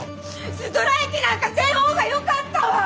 ストライキなんかせん方がよかったわ！